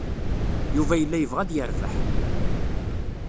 Yuba yella yebɣa ad yerbeḥ.